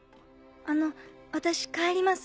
あの私帰ります。